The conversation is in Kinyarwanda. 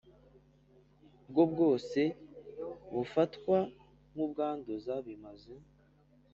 bwo bwose bufatwa nk ubwanduza bimaze